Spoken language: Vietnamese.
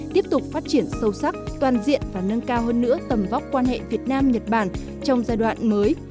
tiếp tục phát triển sâu sắc toàn diện và nâng cao hơn nữa tầm vóc quan hệ việt nam nhật bản trong giai đoạn mới